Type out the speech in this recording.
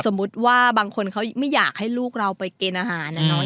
สมมุติว่าบางคนเขาไม่อยากให้ลูกเราไปกินอาหารนะเนาะ